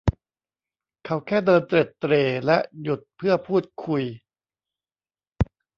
เขาแค่เดินเตร็ดเตร่และหยุดเพื่อพูดคุย